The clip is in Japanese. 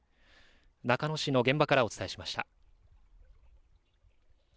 中野市の現場からお伝えしました。